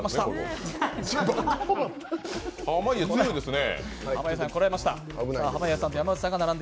濱家、強いですね。